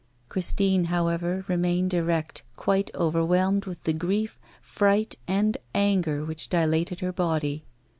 Christine, however, remained erect, quite overwhelmed with the grief, fright, and anger which dilated her body.